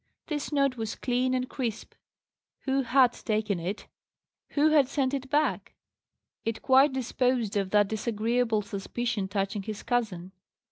This note was clean and crisp. Who had taken it? Who had sent it back? It quite disposed of that disagreeable suspicion touching his cousin.